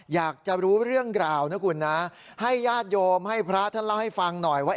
อยากจะรู้เรื่องราวนะคุณนะให้ญาติโยมให้พระท่านเล่าให้ฟังหน่อยว่า